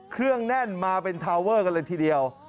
เครื่องแน่นมาเป็นทาวเวอร์กันเลยทีเดียว